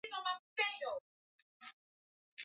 Alitembea pole pole juzi